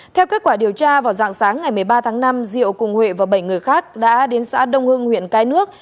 theo kết quả điều tra vào dạng sáng ngày một mươi ba tháng năm diệu cùng huệ và bảy người khác đã đến xã đông hưng huyện cái nước